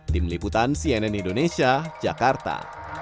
tim liputan cnn indonesia jakarta